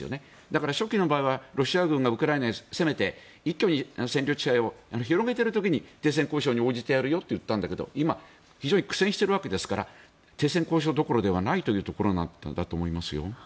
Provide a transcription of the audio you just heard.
だから初期の場合はロシア軍がウクライナに攻めて一挙に占領地を広げている時に停戦交渉に応じてやるよと言ったんだけど今、非常に苦戦しているわけですから停戦交渉どころではないということなんだと思いますよ。